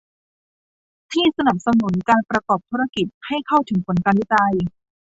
ที่สนับสนุนการประกอบธุรกิจให้เข้าถึงผลการวิจัย